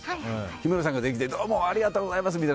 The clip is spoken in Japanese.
日村さんが出てきてどうもありがとうございますって。